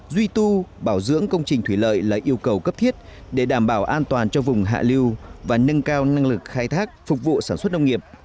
duy tu bảo dưỡng công trình thủy lợi là yêu cầu cấp thiết để đảm bảo an toàn cho vùng hạ lưu và nâng cao năng lực khai thác phục vụ sản xuất nông nghiệp